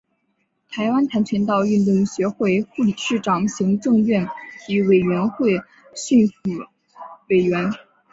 台湾跆拳道运动学会副理事长行政院体育委员会训辅委员